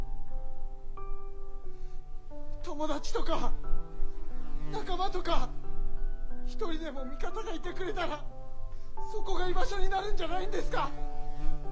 友達とか仲間とか一人でも味方がいてくれたらそこが居場所になるんじゃないんですか。